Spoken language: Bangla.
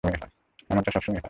এমনটা সবসময়ই হয়।